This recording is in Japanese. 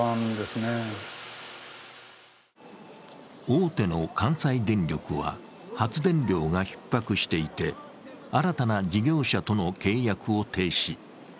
大手の関西電力は、発電量がひっ迫していて、新たな事業者との契約を停止。